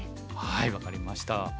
はい分かりました。